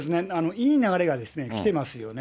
いい流れがきてますよね。